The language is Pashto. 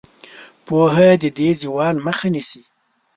پوهه د دې زوال مخه نیسي.